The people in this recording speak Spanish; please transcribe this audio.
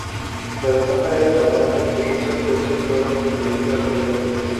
La demanda era tan alta que muchas fechas fueron añadidas rápidamente.